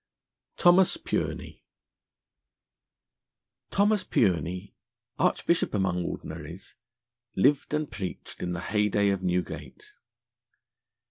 THOMAS PURENEY THOMAS PURENEY, Archbishop among Ordinaries, lived and preached in the heyday of Newgate.